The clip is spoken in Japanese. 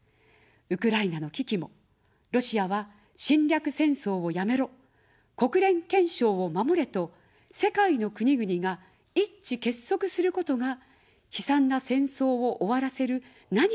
ウクライナの危機も「ロシアは侵略戦争をやめろ」、「国連憲章を守れ」と世界の国々が一致結束することが、悲惨な戦争を終わらせる何よりの力です。